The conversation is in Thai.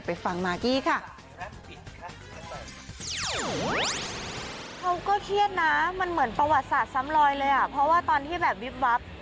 เพราะว่าตอนที่แบบวิบวับ